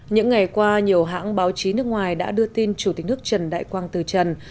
những ngày qua nhiều hãng báo chí nước ngoài đã đưa tin chủ tịch nước trần đại quang từ trần